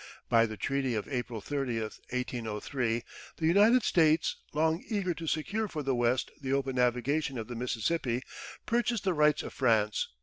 By the treaty of April 30, 1803, the United States, long eager to secure for the West the open navigation of the Mississippi, purchased the rights of France.